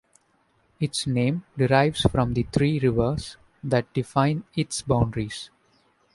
Its name derives from the three rivers that define its boundaries.